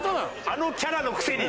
あのキャラのくせにな。